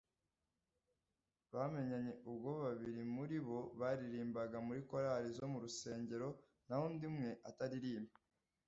bamenyanye ubwo babiri muri bo baririmbaga muri Korali zo mu rusengero naho undi umwe ataririmba